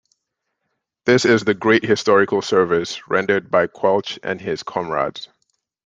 This is the great historical service rendered by Quelch and his comrades.